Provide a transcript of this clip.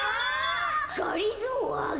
あ！